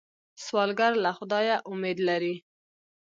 سوالګر له خدایه امید لري